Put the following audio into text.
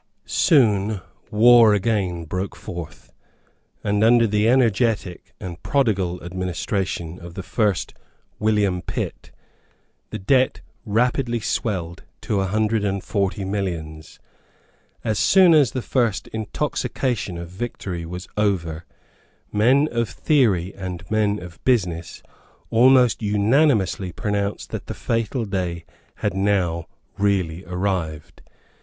Soon war again broke forth; and, under the energetic and prodigal administration of the first William Pitt, the debt rapidly swelled to a hundred and forty millions. As soon as the first intoxication of victory was over, men of theory and men of business almost unanimously pronounced that the fatal day had now really arrived.